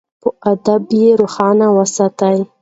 په ادب یې روښانه وساتئ.